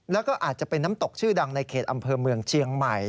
แล้วก็อาจจะเป็นน้ำตกชื่อดังในเขตอำเภอเมืองเชียงใหม่